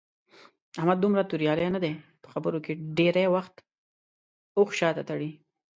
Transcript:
احمد دومره توریالی نه دی. په خبرو کې ډېری وخت اوښ شاته تړي.